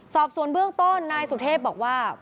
สอบส่วนเบื้องต้นนายสุเทพบอกว่า